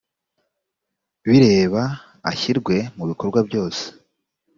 bireba ashyirwe mu bikorwa byose